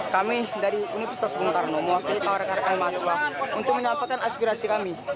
kami dari universitas bung karno mahasiswa untuk menyampaikan aspirasi kami